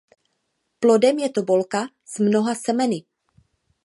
Plodem je tobolka s mnoha semeny.